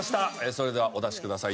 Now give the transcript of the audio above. それではお出しください